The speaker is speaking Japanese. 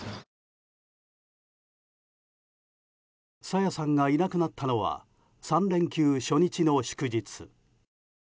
朝芽さんがいなくなったのは３連休初日の祝日。